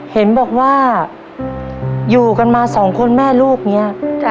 เห็นบอกว่าอยู่กันมาสองคนแม่ลูกเนี่ย